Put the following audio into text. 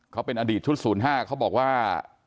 เขาเป็นอดีตชุด๐๕เขาบอกว่า